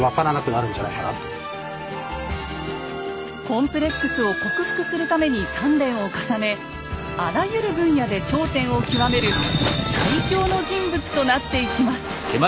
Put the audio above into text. コンプレックスを克服するために鍛練を重ねあらゆる分野で頂点を極める最強の人物となっていきます。